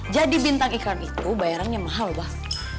jadi bintang iklan itu bayarannya mahal mbah